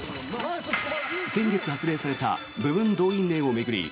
先月発令された部分動員令を巡り